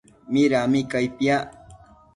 Midami cai piac?